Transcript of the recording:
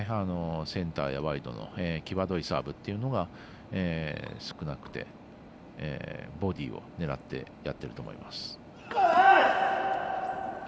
センターへワイドのきわどいサーブというのが少なくて、ボディーを狙ってやっていると思います。